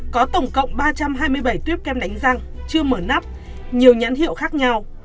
có tổng cộng ba trăm hai mươi bảy tuyếp kem đánh răng chưa mở nắp nhiều nhãn hiệu khác nhau